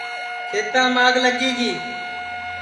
کھیتام آگ لگی گی